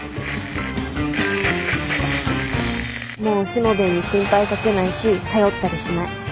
もうしもべえに心配かけないし頼ったりしない。